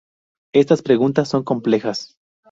Estas preguntas son complejas.